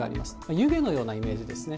湯気のようなイメージですね。